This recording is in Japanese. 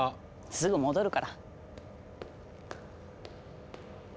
すぐ戻るから。